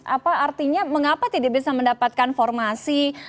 apa artinya mengapa tidak bisa mendapatkan formasi